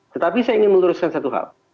tetapi saya ingin meluruskan satu hal